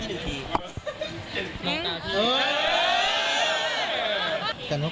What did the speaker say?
พี่เขียนค่าถูก